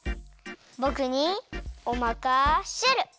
ぼくにおまかシェル！